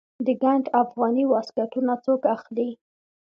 د ګنډ افغاني واسکټونه څوک اخلي؟